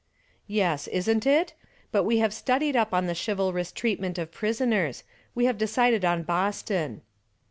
"Yes, isn't it? But we have studied up on the chivalrous treatment of prisoners. We have decided on Boston."